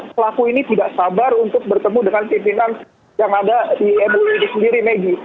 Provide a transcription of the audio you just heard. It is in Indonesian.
pelaku ini tidak sabar untuk bertemu dengan pimpinan yang ada di mui ini sendiri megi